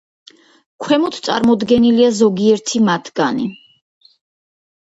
ქვემოთ წარმოდგენილია ზოგიერთი მათგანი.